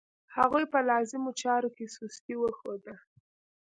هغوی په لازمو چارو کې سستي وښوده.